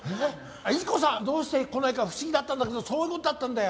イチ子さんどうして来ないか不思議だったんだけどそういう事だったんだよ。